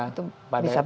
itu bisa berkaitan